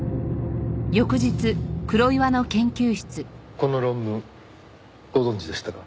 この論文ご存じでしたか？